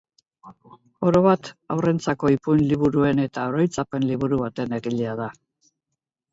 Orobat, haurrentzako ipuin liburuen eta oroitzapen liburu baten egilea da.